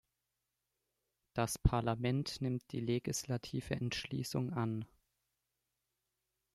Das Parlament nimmt die legislative Entschließung an.